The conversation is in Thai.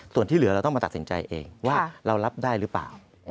ส่วนที่เหลือเราต้องมาตัดสินใจเองว่าเรารับได้หรือเปล่า